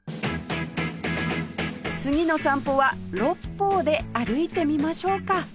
次の散歩は六方で歩いてみましょうか